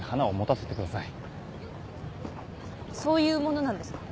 そういうものなんですか？